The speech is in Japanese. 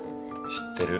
知ってる。